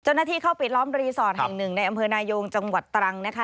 เจ้าหน้าที่เข้าปิดล้อมรีสอร์ทแห่งหนึ่งในอำเภอนายงจังหวัดตรังนะคะ